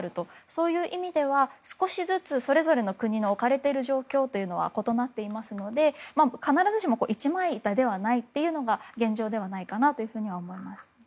そういう意味では、少しずつそれぞれの国の置かれている状況は異なっていますので必ずしも一枚板ではないのが現状ではないかと思います。